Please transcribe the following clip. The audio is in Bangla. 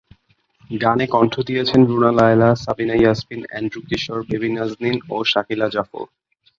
গানে কণ্ঠ দিয়েছেন রুনা লায়লা, সাবিনা ইয়াসমিন, এন্ড্রু কিশোর, বেবী নাজনীন ও শাকিলা জাফর।